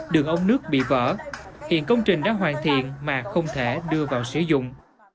đường ống nước bị vỡ hiện công trình đã hoàn thiện mà không thể đưa vào sử dụng